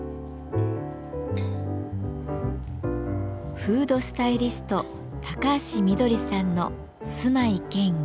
フードスタイリスト高橋みどりさんの住まい兼ギャラリーです。